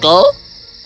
tapi raja mencari penjaga